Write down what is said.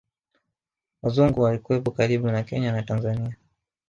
Wazungu walikuwepo karibu na Kenya na Tanzania